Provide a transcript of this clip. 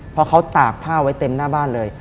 เพราะเขาตากผ้าไว้เต็มหน้าบ้านเลย